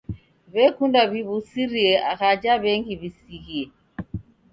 W'ekunda w'iw'usirie ghaja w'engi w'isighie.